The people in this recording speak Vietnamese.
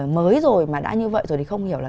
mới rồi mà đã như vậy rồi thì không hiểu là